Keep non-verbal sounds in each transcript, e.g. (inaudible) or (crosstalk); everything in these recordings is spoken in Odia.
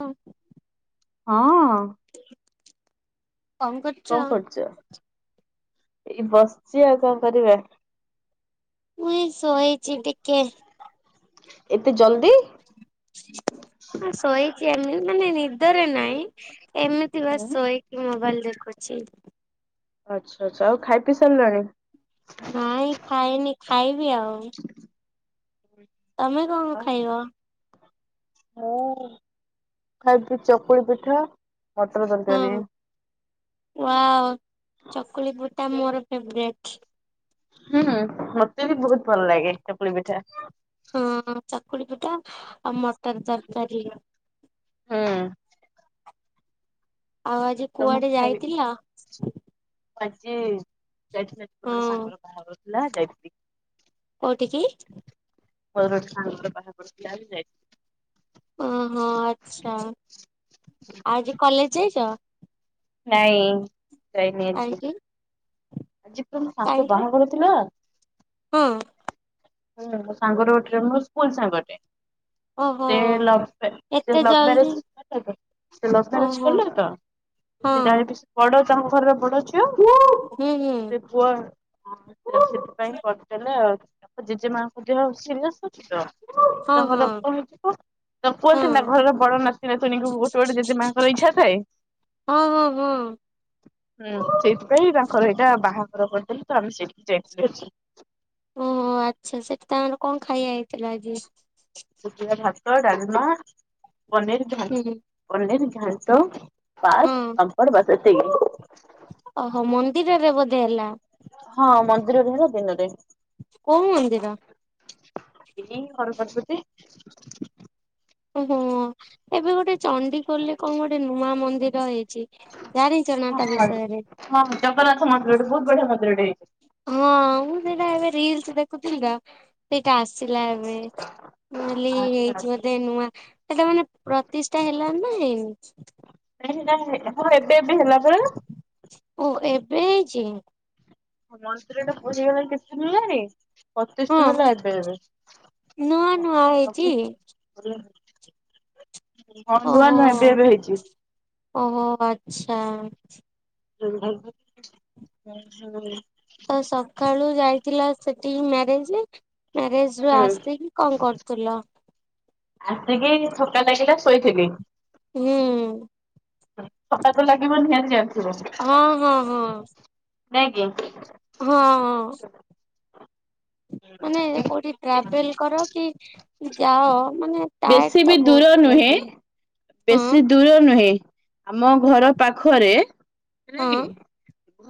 ହଁ। ହଁ। କଣ କରୁଚ? ଏଇ ବସିଚି ଆଉ କଣ କରିବା। ମୁଁ ଏଇ ଶୋଇଚି ଟିକେ। ଏତେ ଜଲଦି। ଶୋଇଛି ଆମ ମାନେ ନିଦରେ ନାଇ ଏମିତି ବା ଶୋଇକି ମୋବାଇଲ ଦେଖୁଛି। ଆଛା ଆଚ୍ଛା ଆଉ ଖାଇ ପି ସାରିଲାଣି? ନାଇଁ ଖାଇନି ଖାଇବି ଆଉ! ତମେ କଣ ଖାଇବ? ମୁଁ ଖାଇବି ଚକୁଳି ପିଠା ମଟର ହଁ ତରକାରୀ ୱାଓ ଚକୁଳି ପିଠା ମୋର ଫେବରାଇଟ। ହୁଁ ହୁଁ ମତେ ବି ବହୁତ ଭଲ ଲାଗେ ଚକୁଳି ପିଠା। ହଁ ଚକୁଳି ପିଠା ଆଉ ମଟର ତରକାରୀ। ହୁଁ, ଆଉ ଆଜି ତମକୁ କୁଆଡେ ଖାଇବି ଯାଇଥିଲ? ଆଜି ଯାଇଥିଲି ହଁ ଗୋଟେ ସାଙ୍ଗର ବାହାଘର ଥିଲା ଯାଇଥିଲି। କୋଉଠିକି ମୋର ଗୋଟେ ସାଙ୍ଗର ବାହାଘର ଥିଲା ଆଜି ଯାଇଥିଲି। ଓହୋ ଆଚ୍ଛା ଆଜି କଲେଜ ଯାଇଛ? ନାଇଁ ଯାଇନି ଆଜି। କାହିଁକି ଆଜି ତମ ସାଙ୍ଗ କାହିଁକି ବାହାଘର ଥିଲା? ହଁ ସାଙ୍ଗର ଗୋଟେ ରେ ମୁ ସ୍କୁଲ ସାଙ୍ଗଟେ ଓହୋ ସେ ଲଭ୍ ମ ଏତେ ଲଭ୍ ଜଲଦି ମ୍ୟାରେଜ ସେ ଲଭ୍ ମ୍ୟାରେଜ ଓହୋ କରିଲା ତ। ହଁ ସେ ଡାଇରେକ୍ଟ ବଡ ଘରର ବଡ ଝିଅ, ହୁଁ ହୁଁ ସେ ପୁଅ ସେଥିପାଇଁ କରିଦେଲେ ଆଉ। ତାଙ୍କ ଜେଜେ ମାଙ୍କ ଦେହ ସିରିଏସ୍ ଅଛି ତ ହଁ ତାଙ୍କ ହଁ ରକ୍ତ ହେଇଯିବ। ତ ହଁ କୁହନ୍ତିନା ଘର ର ବଡ ନାତି ନାତୁଣି ଙ୍କୁ ଗୋଟେ ଗୋଟେ ମାଆଙ୍କର ଇଚ୍ଛା ଥାଏ। ହଁ ହଁ ହଁ, ହୁଁ ସେଇଥିପାଇଁ ତାଙ୍କର ଏଇଟା ବାହାଘର କରିଦେଲେ ତ ଆମେ ସେଇଠିକି ଯାଇଥିଲୁ ଆଜି। ଓହୋ ଆଚ୍ଛା ସେଠି ତାଙ୍କର କଣ ଖାଇବା ହେଇଥିଲା ଆଜି? ହେଇଥିଲା ଭାତ ଡାଲମା ପନିର୍ ହୁଁ ପନିର୍ ଘାଣ୍ଟ ପାସ୍ ହଁ ପାମ୍ପଡ ବାସ୍ ଏତିକି। ଓହୋ ମନ୍ଦିରେରେ ବୋଧେ ହେଲା। ହଁ ମନ୍ଦିରରେ ହେଲା ଦିନରେ। କୋଉ ମନ୍ଦିର? ଏଇ ହର ପାର୍ବତୀ ହୋ ଏବେ ଗୋଟେ ଚଣ୍ଡି ଖୋଲରେ କଣ ଗୋଟେ ନୂଆ ମନ୍ଦିର ହେଇଛି। ହଁ ଜାଣିଚନାତା ବିଷୟରେ। ହଁ ଜଗନ୍ନାଥ ମନ୍ଦିରଟେ ବହୁତ ବଢିଆ ମନ୍ଦିରଟେ ହେଇଛି ହଁ ମୁଁ ସେଟା ଏବେ ରୀଲ୍ସ ଦେଖୁଥିଲି ତ, ସେଇଟା ଆସିଲା ଏବେ ହେଲି ଆଚ୍ଛା ହେଇଛି ଆଚ୍ଛା। ବୋଧେ ନୂଆ ସେଇଟା ମାନେ ପ୍ରତ୍ୟେକ ପ୍ରତିଷ୍ଠା ହେଲା ନା ହେଇନି ନା ସେଟା ହ ଏବେଏବେ ହେଲା ପା। ଜେ, ମନ୍ଦିର ଟା ପୂରି ହେଲାଣି କେତେ ଦିନ ରେ ପ୍ରତିଷ୍ଠା ହଁ ହେଲା ଏବେ ଏବେ ନୂଆ ନୂଆ ହେଇଛି ହଁ ନୂଆ ଓହୋ ଓହୋ ନୂଆ ଏବେ ଏବେ ହେଇଛି। ଓହୋ ଆଚ୍ଛା, ହୁଁ ହୁଁ, ତ ହେଇଛି ମ୍ୟାରେଜ ରୁ ଆସିକି କଣ କରୁଥିଲ? ଆସିକି ଥକା ଲାଗିଲା ଶୋଇଥିଲି। ହୁଁ ଉଁ, ଥକା ତ ଲାଗିବ ନିହାତି ଭାବେ। ହଁ ହଁ ହଁ, ନାଇଁ କି? ହଁ ଅଁ ମାନେ କୋଉଠି ଟ୍ରାଭେଲ୍ କର କି ଯାଅ ମାନେ ଟାୟାର୍ଡ ବେଶୀ ବି ତ ଦୂର ବହୁତ ନୁହେଁ ଲାଗିବ ହଁ ବେଶୀ ଦୂର ନୁହେଁ ଆମ ଘର ପାଖରେ ହେଲା ହଁ କି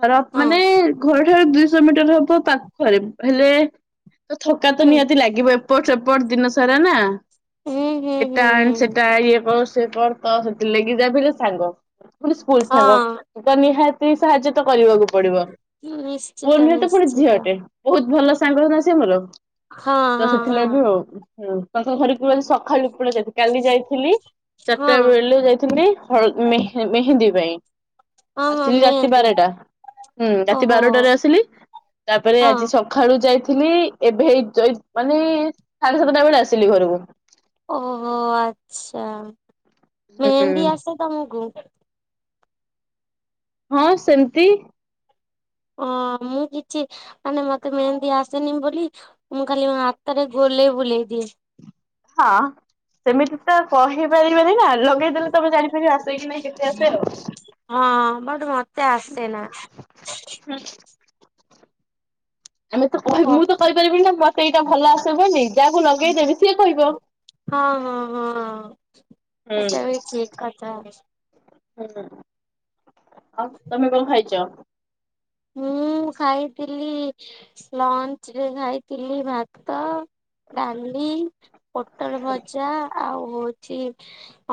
ଘର ହଁ ମାନେ ଘରଠାରୁ ଦୁଇଶହ ମିଟର ହବ ପାଖରେ ହେଲେ ତ ଥକା ତ ହୁଁ ନିହାତି ଲାଗିବ ଏପଟ ସେପଟ ଦିନ ସାରା ନା। ହୁଁ ହୁଁ ଏଟା ଆଣେ ହୁଁ ସେଟା ଇଏ କର ସେ କର ତ ସେଥିଲାଗି ତ ଯାହାବି ହେଲେ ସାଙ୍ଗ। ସ୍କୁଲ ସାଙ୍ଗ ହଁ ତ ନିହାତି ସାହାଯ୍ୟ ତ କରିବାକୁ ପଡିବ ପୁଅ ନିଶ୍ଚିତ ନୁହେତ ପୁଣି ନିଶ୍ଚିତ ଝିଅଟେ ବୋହୁତ ଭଲ ସାଙ୍ଗ ନା ସିଏ ମୋର। ହଁ ତ ହଁ ସେଥିଲା ହଁ ବି ଆଉ। ହୁଁ ତାଙ୍କ ଘରକୁ ଆଜି ସକାଳୁ ପୁଣି ଯାଇଥିଲି କାଲି ଯାଇଥିଲି ହଁ ଚାରିଟାବେଳୁ ଯାଇଥିଲି। ହଳ ମେହେ-ମେହେନ୍ଦୀ ପାଇଁ ହଁ ହଁ ଆସିଲି ରାତି ମେହେନ୍ଦୀ ବାରଟା। ହୁଁ ରାତି ଓହୋ ବାରଟାରେ ଆସିଲି ତାପରେ ହଁ ଆଜି ସକାଳୁ ଯାଇଥିଲ୍ ଥିଲି ଏବେ ହେଇ ଜୈ ମାନେ ସାଢେ ସାତଟା ବେଳେ ଆସିଲି ଘରକୁ। ଓହୋ ଆଛା। ହୁଁ ମେହେନ୍ଦୀ ଆସ ତମକୁ? ହଁ ସେମତି। ହଁ ମୁଁ କିଛି ମାନେ ମତେ ମେହେନ୍ଦୀ ଆସେନି ବୋଲି ମୁଁ ଖାଲି ମୋ ହାତରେ ଗୋ ବୁଲେଇ ବୁଲେଇ ଦିଏ। ହଁ ସେମିତି ତ କହିପାରି ବିନିନା ଲଗେଇଦେଲେ ତମେ ଜାଣିପାରିବ ଆସେ କି ନାଇଁ କେତେ ଆସେ ଆଉ। ହଁ ବଟ ମତେ ଆସେ ନା। ହୁଁ। ଆମେ ତ କହି ଓ ମୁଁ ତ କହିପାରିବିନି ମତେ ଏଇଟା ଭଲ ଆସେ ବୋଲି ଯାହାକୁ ଲଗେଇଦେବି ସିଏ କହିବ। ହଁ ହଁ ହଁ ହୁଁ ସେଟା ବି ଠିକ କଥା। ହୁଁ ଆଉ ତମେ ଖାଇଚ ଖାଇଚ? ମୁଁ ଖାଇଥିଲି ଲଞ୍ଚ ରେ ଖାଇଥିଲି ଭାତ ଡାଲି, ପୋଟଳ ଭଜା ଆଉ ହୋଉଚି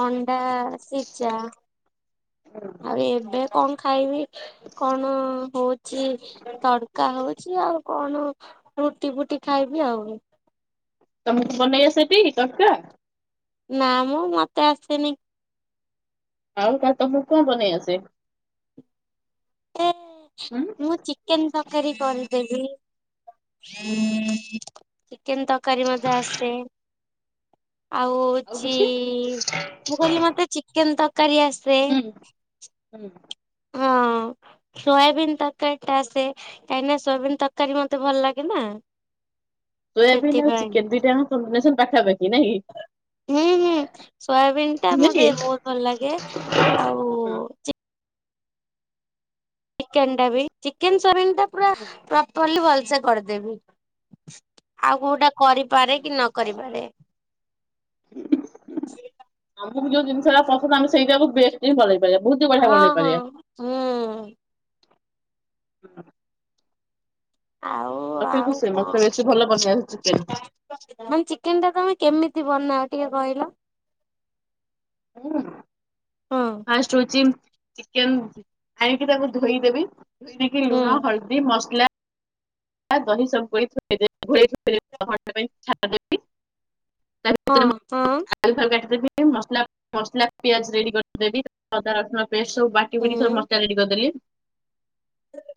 ଅଣ୍ଡା ସିଜା। ଆଉ ଏବେ କଣ ଖାଇବି କଣ ହୋଉଚି ତଡକା ହୋଉଚି ଆଉ। କଣ ରୁଟି ଫୁଟି ଖାଇବି ଆଉ। ତମକୁ ବନେଇ ଆସେଟି ତଡକା? ନା ମ ମତେ ଆସେନି। ଆଉ କ ତମକୁ କଣ ବନେଇ ଆସେ? ମତେ ହୁଁ ମୁଁ ଚିକେନ ତରକାରୀ କରିଦେବି। କେନ୍ ତରକାରୀ ମତେ ଆସେ। ଆଉ ହୋଉଚି ମୁଁ କହିଲି ମତେ ଚିକେନ ତରକାରୀ ଆସେ। ହୁଁ ହୁଁ। ସୋୟାବିିନ ତରକାରୀ ଟା ଆସେ କାହିଁକି ନା ସୋୟାବିିନ ତରକାରୀ ମତେ ଭଲ ଲାଗେ ନା। ସୋୟାବିନ୍ ଆଉ ସେଥିପାଇଁ ଚିକେନ ଦୁଇଟାଙ୍କ କମ୍ୱିନେସନ ପାଖାପାଖି ନାଇଁ କି? ହୁଁ ହୁଁ ସୋୟାବନ୍ ଟା ନୁହେଁ କି? ମତେ ବୋହୁତ ଭଲ ଲାଗେ ଆଉ। ଚି କେନ ଟା ବି ଚିକେନ ସୋୟାବିନଟା ପୁରା ପ୍ରପରଲି ଭଲ ସେ କରିଦେବି ଆଉ କୋଉଟା କରିପାରେ କି ନ କରିପାରେ ସେଇଟା ଆମକୁ ଯୋଉ ଜିନଷଟା ପସନ୍ଦ ଆମେ ସେଇଟା କୁ ବେଷ୍ଟ ହିଁ ବାନେଇ ରିବା ବହୁତ ବଢିଆ ହଁ ବନେଇ ହଁ ହୁଁ ପାରିବା। ଆଉ ମତେ କିନ୍ତୁ ଆଉ ସେ ମତେ ବେଶୀ ଭଲ ବନେଇ ଆସେ ଚିକେନ କଣ ମାନେ ଚିକେନ ଟା ତମେ କେମିତି ବନାଅ ଟିକେ କହିଲ? ହଁ ଫାଷ୍ଟ ହଉଚି ଚିକେନ ଆଣକି ତାକୁ ଧୋଇଦେବି ଧୋଇ ନେଇକି ହୁଁ ଲୁଣ ହଳଦୀ ମସଲା ଦହି ସବୁ (unintelligible) (unintelligible) ହଁ ହଁ ମସଲା ମସଲା ପିଆଜ ରେଡି କରିଦେବି ଅଦା ରସୁଣ ପେଷ୍ଟ ସବୁ ବାଟି ବୁଟିକି ସବୁ ହୁଁ ମସଲା ରେଡି କରିଦେଲି।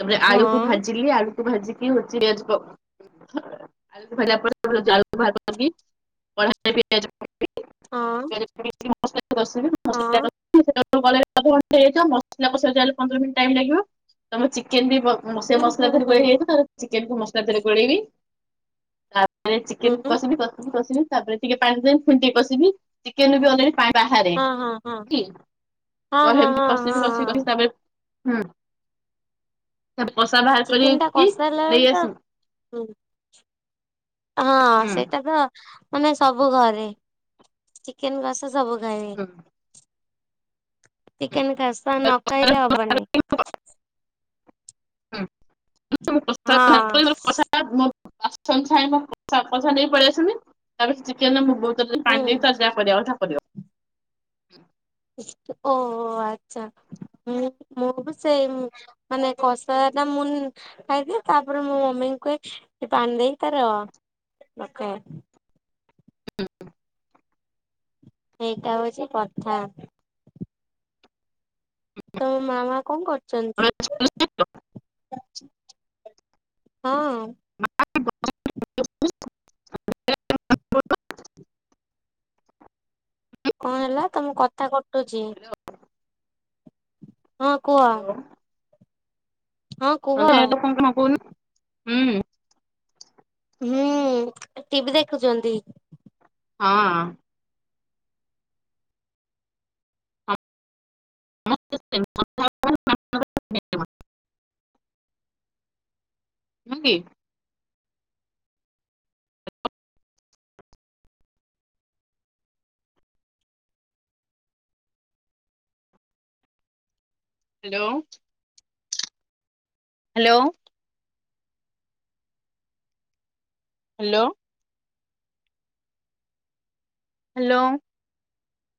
ତାପରେ ଆଳୁକୁ ହଁ ଭାଜିଲି ଆଳୁକୁ ଭାଜିକି ହଉଛି ଆଳୁକୁ ଭାଜିଲା ପରେ ଆଳୁକୁ ବାହାର କଲି କଢା ହଁ ହେଇଥିବା ପିଆଜ ହଁ ସଲା (inaudible) ଗଲାବେଳକୁ ଅଧଘଣ୍ଟେ ହେଇଯିବ ମସଲା କସିଵାଯାହେଲେ ପନ୍ଦର ମିନଟ ଟାଇମ ଲାଗିବ ତମ ଚିକେ ବି ବ ସେ ହୁଁ ମସଲା ହୁଁ ଥରେ ଗୋଳେଇ ହୁଁ ହୋଇବ ଆ ଚିକେନକୁ ମସଲା ଦେହରେ ଗୋଳେଇବି ଆଉ ଚିକେନକୁ ହୁଁ କଷିବି କି କିଷିବି ତାପରେ ଟିକେ ପାଣି ଦେବି ପୁଣି ଟିକେ କସିବି ଚିକେନ ବି ଅଲରେ ପାଣି ବାହାରେ ହଁ ହଁ ହଁ। କି ହଁ ହଁ ହେମତି ହଁ କଷିବି ହଁ କଷିବି କଷିବି ହଁ ତାପରେ ହୁଁ କଷା ବାହାର କର କି ହ ହୁଁ, ହଁ ହୁଁ ସେଇଟା ତ ମାନେ ସବୁ ଘରେ ଚିକେନ କସା ସବୁ ଘରେ ହୁଁ। ହୁଁ। ଚିକେନ କାଷା ନ ଖାଇଲେ ହବନାଇଁ। ହୁଁ (inaudible) ପ୍ରା ହଁ ପ୍ରସାଦ ଆସନ ଛାଣିବା (unintelligible) ପଳେଇ ଆସିମି ତାପରେ ଚିକେନ ମୁଁ ବହୁ ସେଥିରେ ପାଣି ଦିନିଷ ହୁଁ ଜାହା କରିବା କଥା କରିବ। ଓ ଆଚ୍ଛା, ହଁ ମୁଁ ବି ସେଇ ମାନେ କଷା ଟା ମୁଁ ଖାଇଦିଏ ତାପରେ ମୁଁ ମମି ପାଣି ଦେଇ ତାର ରଖେ। ହୁଁ, ଏଇଟା ହେଉଛି କଥା। ତମ ମାମା କଣ କରୁଛନ୍ତି? ହଁ ଅଁ, ହ୍ୟା (inaudible) କଣ ହେଲା ତମ କଥା କଟୁଚି। ହଁ କୁହ, ହଁ କୁହ (inaudible) କମା କହୁନୁ ହୁଁ ହୁଁ ଟିଭି ଦେଖୁଛନ୍ତି। ହଁ ଅଁ, ହଁ କି, ହ୍ୟାଲୋ। ହ୍ୟାଲୋ। ହ୍ୟାଲୋ। ହ୍ୟାଲୋ।